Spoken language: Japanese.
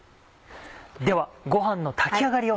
ではご飯の炊き上がりを。